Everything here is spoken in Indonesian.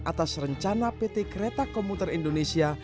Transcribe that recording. atas rencana pt kereta komuter indonesia